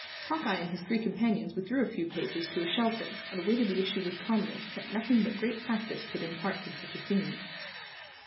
Hawkeye and his three companions withdrew a few paces to a shelter, and awaited the issue with calmness that nothing but great practise could impart in such a scene.